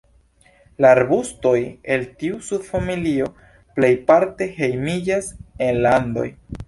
La arbustoj el tiu subfamilio plejparte hejmiĝas en la Andoj.